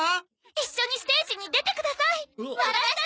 一緒にステージに出てください！